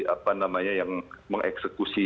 apa namanya yang mengeksekusi